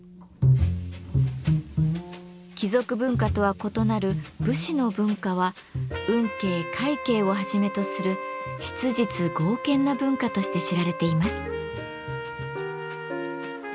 貴族文化とは異なる武士の文化は運慶・快慶をはじめとする質実剛健な文化として知られています。